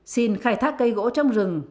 xin khai thác cây gỗ trong rừng